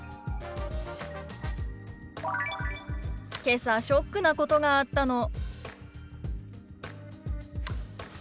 「けさショックなことがあったの」。